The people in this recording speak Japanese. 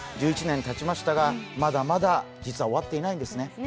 １１年たちましたが、まだまだ実は終わっていないんですね。